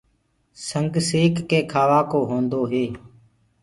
سنگ سيڪ ڪي کآوآڪو هوندوئي